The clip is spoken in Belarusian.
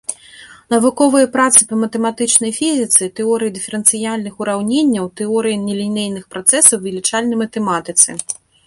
Навуковыя працы па матэматычнай фізіцы, тэорыі дыферэнцыяльных ураўненняў, тэорыі нелінейных працэсаў, вылічальнай матэматыцы.